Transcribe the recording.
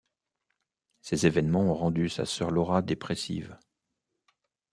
Ces évènements ont rendu sa sœur Laura dépressive.